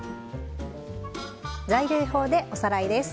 材料表でおさらいです。